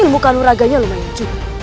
ilmu kanuraganya lumayan juga